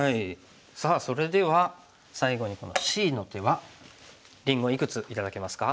さあそれでは最後にこのＣの手はりんごいくつ頂けますか？